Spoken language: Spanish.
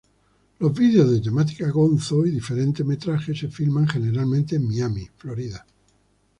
Los vídeos, de temática gonzo y diferente metraje, se filman generalmente en Miami, Florida.